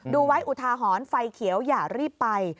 ดูไว้อุทาหรณ์ไฟเขียวอย่ารีบไป